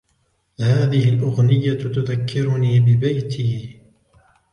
هذه الأغنية تذكرني ببيتي.